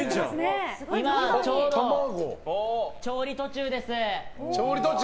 今、ちょうど調理途中です。